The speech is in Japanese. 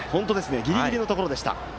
ギリギリのところでした。